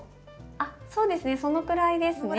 あっそうですねそのぐらいですね。